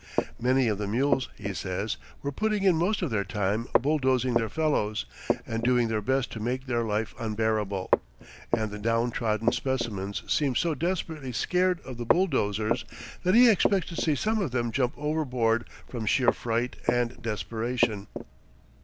Many of the mules, he says, were putting in most of their time bulldozing their fellows, and doing their best to make their life unbearable, and the downtrodden specimens seem so desperately scared of the bulldozers that he expects to see some of them jump overboard from sheer fright and desperation.